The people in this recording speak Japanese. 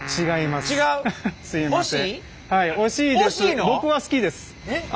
すいません。